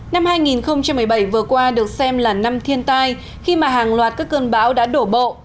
năm hai nghìn một mươi bảy vừa qua được xem là năm thiên tai khi mà hàng loạt các cơn bão đã đổ bộ